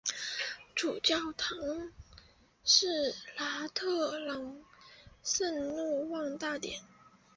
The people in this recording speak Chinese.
主教座堂是拉特朗圣若望大殿。